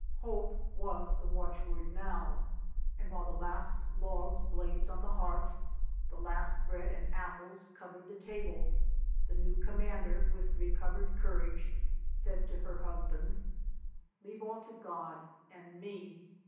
"Hope" was the watchword now; and, while the last logs blazed on the hearth, the last bread and apples covered the table, the new com mander, with recovered courage, said to her husband, — "Leave all to God — and me.